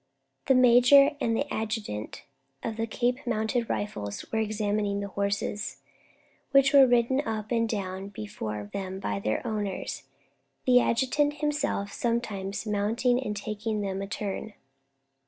The major and adjutant of the Cape Mounted Rifles were examining the horses, which were ridden up and down before them by their owners, the adjutant himself sometimes mounting and taking them a turn.